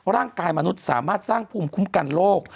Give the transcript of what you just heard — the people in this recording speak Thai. มนุษย์สามารถสร้างภูมิคุ้มกันโรค